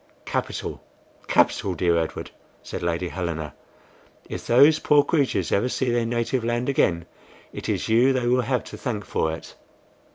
"Capital! capital! dear Edward," said Lady Helena. "If those poor creatures ever see their native land again, it is you they will have to thank for it."